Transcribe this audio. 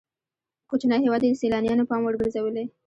کوچنی هېواد یې د سیلانیانو پام وړ ګرځولی.